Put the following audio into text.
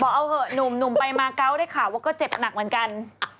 เอาเหอะหนุ่มไปมาเกาะได้ข่าวว่าก็เจ็บหนักเหมือนกัน